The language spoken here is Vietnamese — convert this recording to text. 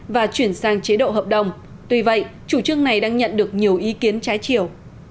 và chuyển sang chế độ hợp đồng tuy vậy chủ trương này đang nhận được nhiều ý kiến trái chiều